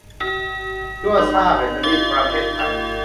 ยัวซ่าแบตเตอรี่ ประเทศไทย